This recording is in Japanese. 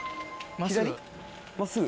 真っすぐ？